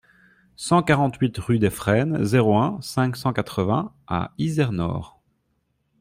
cent quarante-huit rue des Frênes, zéro un, cinq cent quatre-vingts à Izernore